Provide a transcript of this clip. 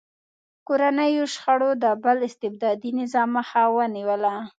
کورنیو شخړو د بل استبدادي نظام مخه ونیوله.